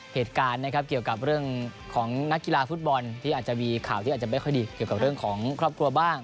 เหตุการณ์นะครับเกี่ยวกับเรื่องของนักกีฬาฟุตบอลที่อาจจะมีข่าวที่อาจจะไม่ค่อยดีเกี่ยวกับเรื่องของครอบครัวบ้าง